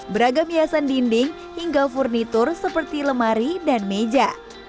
beragam hiasan dinding hingga furnitur seperti lemari dan meja